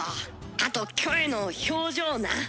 あとキョエの表情な。